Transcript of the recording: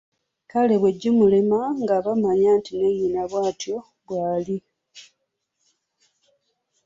Kale bwe gimulema nga bamanya nti ne nnyina naye bwatyo bambi bwali!